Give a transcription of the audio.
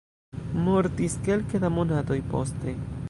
Mortis kelke da monatoj poste.